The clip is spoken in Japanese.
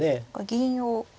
銀を。